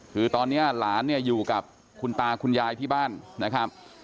คือตอนนี้หลานเนี่ยอยู่กับคุณตาคุณยายที่บ้านนะครับ